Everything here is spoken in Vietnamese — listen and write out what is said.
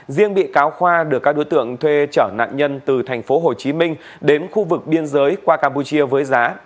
riêng bị cáo khoa được các đối tượng thuê trở nạn nhân từ tp hcm đến khu vực biên giới qua campuchia với giá ba triệu đồng